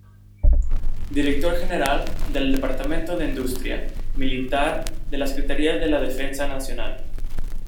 Director general del Departamento de Industria Militar de la Secretaria de la Defensa Nacional.